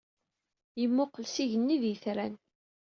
Yemmuqqel s igenni d yetran.